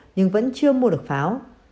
nhưng vẫn chưa mua được pháo